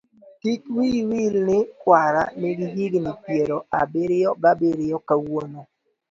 kik wiyi wil ni kwara nigi higni piero abiriyo ga biriyo kawuono.